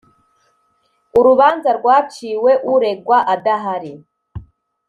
Urubanza rwaciwe uregwa adahari